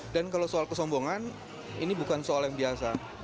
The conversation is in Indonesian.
dan kalau soal kesombongan ini bukan soal yang biasa